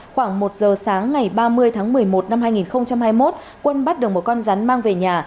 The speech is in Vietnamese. khoảng một giờ sáng ngày ba mươi tháng một mươi một năm hai nghìn hai mươi một quân bắt được một con rắn mang về nhà